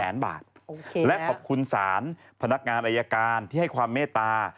และขอบคุณศาลพนักงานอายการที่ให้ความเมตตา